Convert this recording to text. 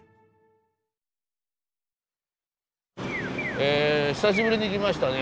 え久しぶりに来ましたね